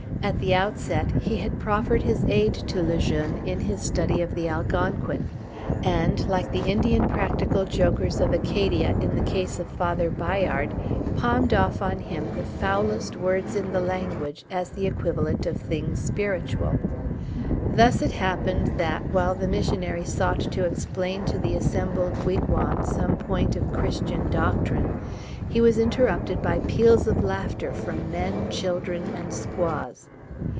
At the outset, he had proffered his aid to Le Jeune in his study of the Algonquin; and, like the Indian practical jokers of Acadia in the case of Father Biard, palmed off upon him the foulest words in the language as the equivalent of things spiritual. Thus it happened, that, while the missionary sought to explain to the assembled wigwam some point of Christian doctrine, he was interrupted by peals of laughter from men, children, and squaws.